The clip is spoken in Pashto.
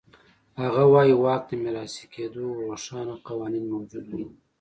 هغه وایي واک د میراثي کېدو روښانه قوانین موجود و.